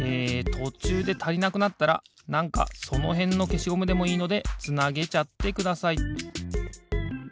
とちゅうでたりなくなったらなんかそのへんのけしゴムでもいいのでつなげちゃってください。